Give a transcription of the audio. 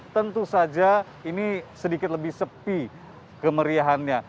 tentu saja ini sedikit lebih sepi kemeriahannya